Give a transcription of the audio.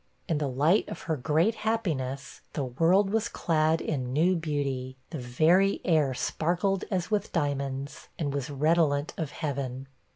In the light of her great happiness, the world was clad in new beauty, the very air sparkled as with diamonds, and was redolent of heaven.